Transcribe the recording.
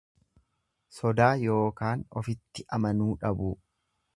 Sodaa ykn ofitti amanuu dhabuu.